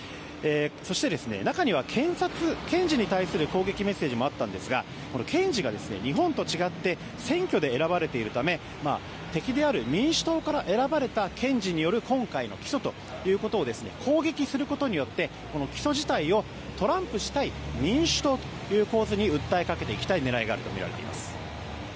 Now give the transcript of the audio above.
そして中には検察、検事に対する攻撃メッセージもあったんですが検事が、日本と違って選挙で選ばれているため敵である民主党から選ばれた検事による今回の起訴ということを攻撃することによって起訴自体をトランプ氏対民主党という構図に訴えかけていきたい構図があるとみられています。